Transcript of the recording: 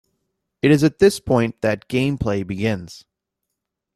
It is at this point that gameplay begins.